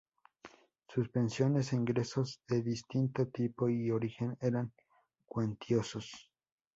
Sus pensiones e ingresos de distinto tipo y origen eran cuantiosos.